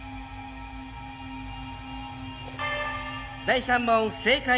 第３問不正解。